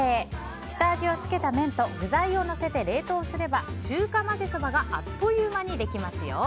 下味を付けた麺と具材をのせて冷凍すれば中華まぜそばがあっという間にできますよ。